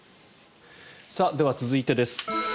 では、続いてです。